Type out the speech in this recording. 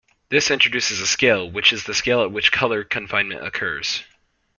This introduces a scale, which is the scale at which colour confinement occurs.